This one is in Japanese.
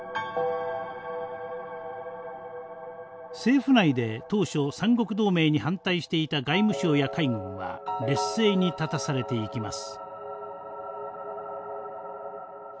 政府内で当初三国同盟に反対していた外務省や海軍は劣勢に立たされていきます。